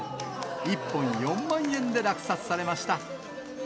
１本４万円で落札されました。